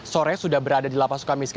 suara yang terdengar di dalam lapas